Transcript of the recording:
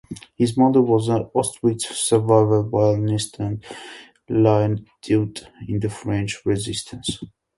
His mother was an Auschwitz survivor, violinist and lieutenant in the French resistance.